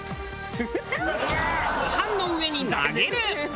ご飯の上に投げる。